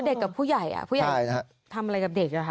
กับผู้ใหญ่ผู้ใหญ่ทำอะไรกับเด็ก